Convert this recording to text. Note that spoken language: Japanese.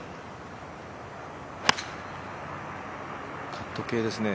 カット系ですね。